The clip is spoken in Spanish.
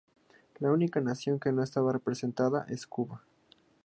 La única nación que no estaba representada es Cuba.